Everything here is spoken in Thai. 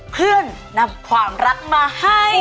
เพื่อนนำความรักมาให้